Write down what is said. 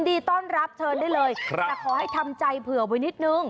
ดีต้อนรับเชิญได้เลยแต่ขอให้ทำใจเผื่อไว้นิดนึง